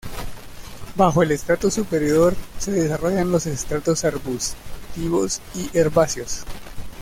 Bajo el estrato superior se desarrollan los estratos arbustivos y herbáceos.